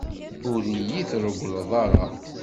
Ur yi-treggleḍ ara.